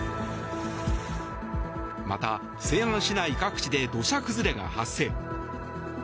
また西安市内各地で土砂崩れが発生。